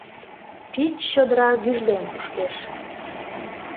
Пич чодыра гӱжлен кушкеш.